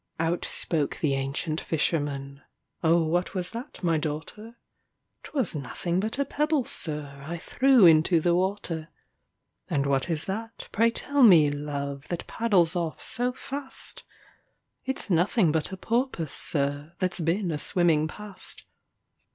Out spoke the ancient fisherman, "Oh, what was that, my daughter?" "'T was nothing but a pebble, sir, I threw into the water." "And what is that, pray tell me, love, that paddles off so fast?" "It's nothing but a porpoise, sir, that 's been a swimming past."